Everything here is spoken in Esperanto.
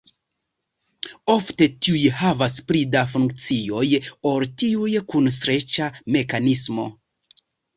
Ofte tiuj havas pli da funkcioj ol tiuj kun streĉa mekanismo.